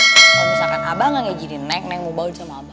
kalau misalkan abah gak ngejini neng neng mau baut sama abah